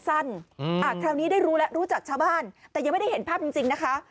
คราวนี้ได้รู้แล้วรู้จักชาวบ้านแต่ยังไม่ได้เห็นภาพจริงจริงนะคะ